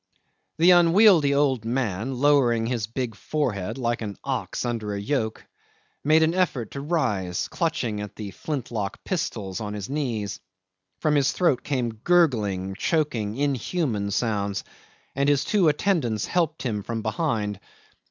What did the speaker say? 'The unwieldy old man, lowering his big forehead like an ox under a yoke, made an effort to rise, clutching at the flintlock pistols on his knees. From his throat came gurgling, choking, inhuman sounds, and his two attendants helped him from behind.